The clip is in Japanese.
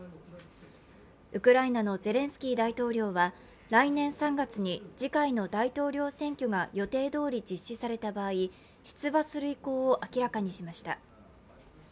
ウクライナのゼレンスキー大統領は来年３月に次回の大統領選挙が予定どおり実施された場合出馬する意向を明らかにしました。